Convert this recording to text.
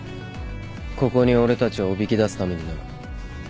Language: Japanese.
ここに俺たちをおびき出すためにな。